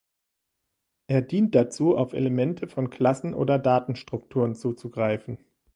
Er dient dazu, auf Elemente von Klassen oder Datenstrukturen zuzugreifen.